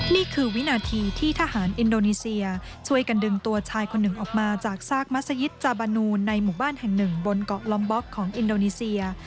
นี่คือวินาทีที่ทหารอินโดนีเซียช่วยกันดึงตัวชายคนหนึ่งออกมาจากซากมัศยิตจาบานูนในหมู่บ้านแห่งหนึ่งบนเกาะลอมบ๊อกของอินโดนีเซีย